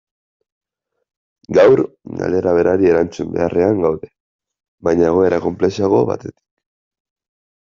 Gaur, galdera berari erantzun beharrean gaude, baina egoera konplexuago batetik.